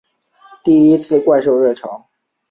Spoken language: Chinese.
第一次怪兽热潮